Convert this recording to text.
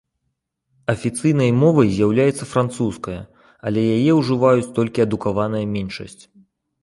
Афіцыйнай мовай з'яўляецца французская, але яе ўжываюць толькі адукаваная меншасць.